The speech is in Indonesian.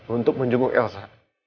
untuk menjemput elsa